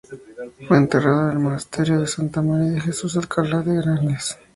Fue enterrado en el monasterio de Santa María de Jesús en Alcalá de Henares.